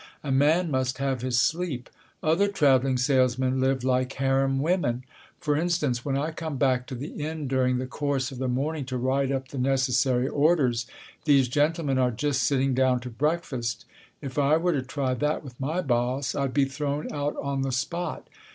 A man must have his sleep. Other travelling salesmen live like harem women. For instance, when I come back to the inn during the course of the morning to write up the necessary orders, these gentlemen are just sitting down to breakfast. If I were to try that with my boss, I'd be thrown out on the spot.